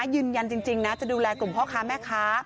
ยืนยันจริงนะจะดูแลกลุ่มพ่อค้าแม่ค้า